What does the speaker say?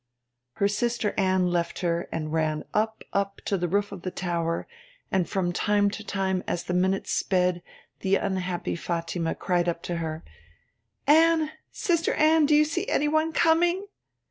Her sister Anne left her and ran up, up, to the roof of the tower; and from time to time as the minutes sped, the unhappy Fatima cried up to her: '_Anne, Sister Anne, do you see any one coming?